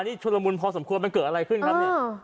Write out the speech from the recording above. นี่ชุดละมุนพอสมควรมันเกิดอะไรขึ้นครับเนี่ย